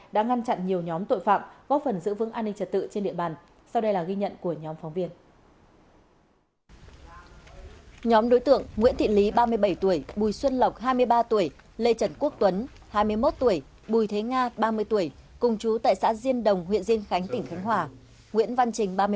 đã ngăn chặn nhiều nhóm tội phạm góp phần giữ vững an ninh trật tự trên địa bàn